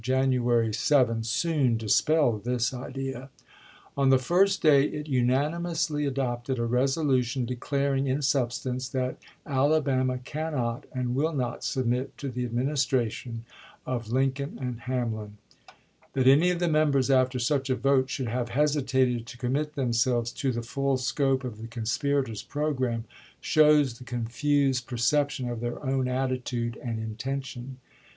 January 7, soon dispelled this idea. On the first day it unanimously adopted a resolution declaring in substance that "Alabama cannot and will not submit to the Administration of Lincoln and Ham lin." That any of the members after such a vote should have hesitated to commit themselves to the full scope of the conspirators' programme, shows the confused perception of their own attitude and intention.